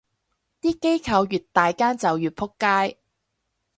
啲機構越大間就越仆街